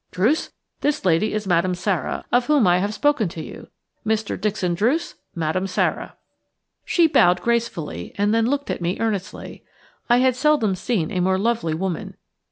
Druce, this lady is Madame Sara, of whom I have spoken to you, Mr. Dixon Druce – Madame Sara." She bowed gracefully and then looked at me earnestly. I had seldom seen a more lovely woman.